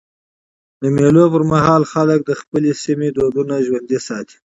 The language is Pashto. د مېلو پر مهال خلک د خپل سیمي دودونه ژوندي ساتي.